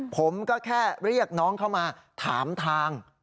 ผมก็แค่เรียกน้องเข้ามาถามทาง